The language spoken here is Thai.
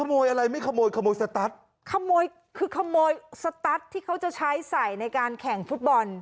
ขโมยอะไรไม่ขโมยขโมยสตัสขโมยคือขโมยสตัสที่เขาจะใช้ใส่ในการแข่งฟุตบอล